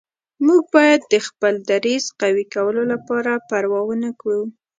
موږ باید د خپل دریځ قوي کولو لپاره پروا ونه کړو.